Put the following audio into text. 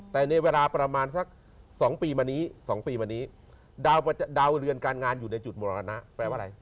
แต่ในเวลาประมาณสัก๒ปีมานี้๒ปีมานี้ดาวเรือนการงานอยู่ในจุดมรณะแปลว่าอะไร